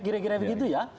kira kira begitu ya